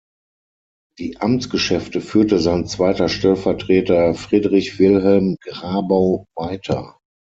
Die Amtsgeschäfte führte sein zweiter Stellvertreter Friedrich Wilhelm Grabau weiter.